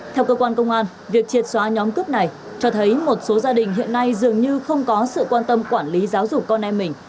theo cơ quan công an việc triệt xóa nhóm cướp này cho thấy một số gia đình hiện nay dường như không có sự quan tâm quản lý giáo dục con em mình